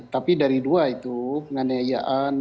tapi dari dua itu penganiayaan